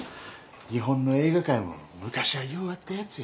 日本の映画界も昔はようあったやつや。